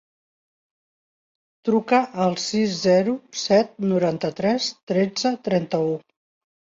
Truca al sis, zero, set, noranta-tres, tretze, trenta-u.